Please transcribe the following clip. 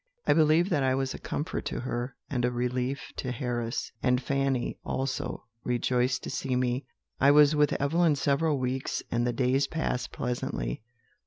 "I believe that I was a comfort to her, and a relief to Harris; and Fanny, also, rejoiced to see me. I was with Evelyn several weeks, and the days passed pleasantly.